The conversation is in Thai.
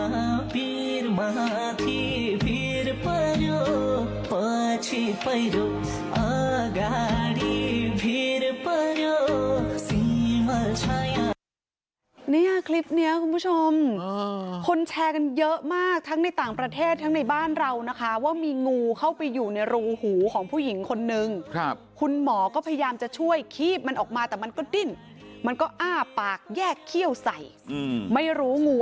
เนี่ยคลิปนี้คุณผู้ชมคนแชร์กันเยอะมากทั้งในต่างประเทศทั้งในบ้านเรานะคะว่ามีงูเข้าไปอยู่ในรูหูของผู้หญิงคนนึงคุณหมอก็พยายามจะช่วยคีบมันออกมาแต่มันก็ดิ้นมันก็อ้าปากแยกเขี้ยวใส่ไม่รู้งู